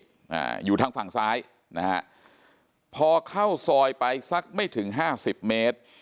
อ่าอยู่ทางฝั่งซ้ายนะฮะพอเข้าซอยไปสักไม่ถึงห้าสิบเมตร